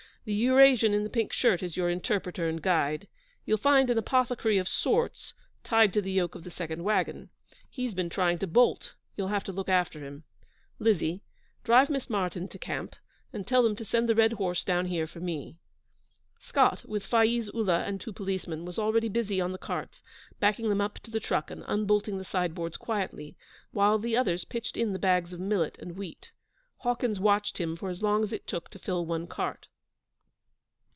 The Eurasian in the pink shirt is your interpreter and guide. You'll find an apothecary of sorts tied to the yoke of the second wagon. He's been trying to bolt; you'll have to look after him. Lizzie, drive Miss Martyn to camp, and tell them to send the red horse down here for me.' Scott, with Faiz Ullah and two policemen, was already busy on the carts, backing them up to the truck and unbolting the sideboards quietly, while the others pitched in the bags of millet and wheat. Hawkins watched him for as long as it took to fill one cart.